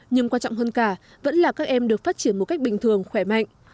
nhưng quan trọng hơn cả vẫn là các em được phát triển một cách bình thường khỏe mạnh